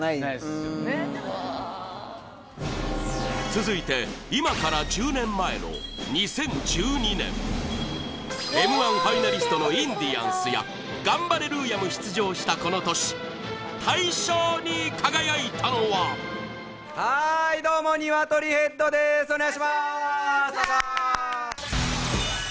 続いて今から１０年前の２０１２年Ｍ−１ファイナリストのインディアンスやガンバレルーヤも出場したこの年大賞に輝いたのははいどうもにわとりヘッドですお願いします